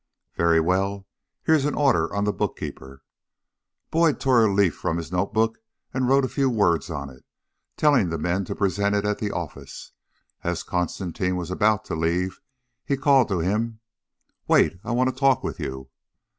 "Very well. Here's an order on the book keeper." Boyd tore a leaf from his note book and wrote a few words on it, telling the men to present it at the office. As Constantine was about to leave, he called to him: "Wait! I want to talk with you."